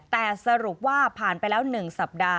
แต่สรุปว่าผ่านไปแล้ว๑สัปดาห์